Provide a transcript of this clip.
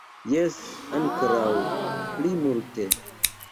Jes, ankoraŭ pli multe.